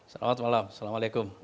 selamat malam assalamualaikum